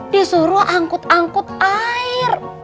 disuruh angkut angkut air